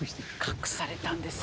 隠されたんです。